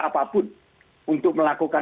apapun untuk melakukan